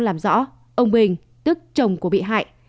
làm rõ ông bình tức chồng của bị hại